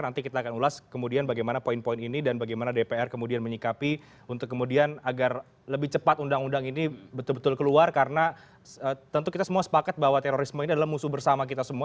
nanti kita akan ulas kemudian bagaimana poin poin ini dan bagaimana dpr kemudian menyikapi untuk kemudian agar lebih cepat undang undang ini betul betul keluar karena tentu kita semua sepakat bahwa terorisme ini adalah musuh bersama kita semua